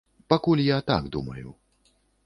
Пакуль я так думаю.